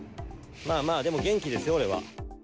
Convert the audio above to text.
まあまあ、でも元気ですよ、俺は。